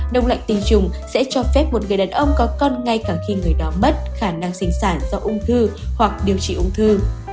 đông lạnh tình trùng sẽ cho phép một người đàn ông có con ngay cả khi người đó mất khả năng sinh sản do ung thư hoặc điều trị ung thư